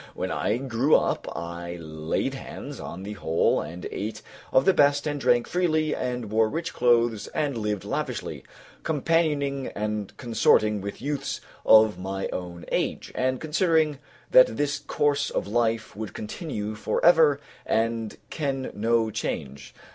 When I grew up I laid hands on the whole and ate of the best and drank freely and wore rich clothes and lived lavishly, companioning and consorting with youths of my own age, and considering that this course of life would continue for ever and ken no change.